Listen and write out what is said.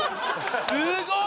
すごい！